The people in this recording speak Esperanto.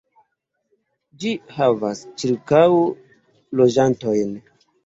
Ĝi havas ĉirkaŭ loĝantojn.